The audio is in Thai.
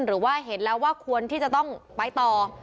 หรือว่าเห็นแล้วว่าควรที่จะต้องไปต่อ